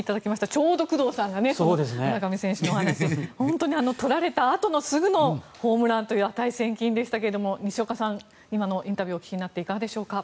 ちょうど工藤さんが村上選手のお話をしていた時で本当に取られたあとすぐのホームランという値千金でしたが西岡さん、今のインタビューを聞いていかがでしょうか。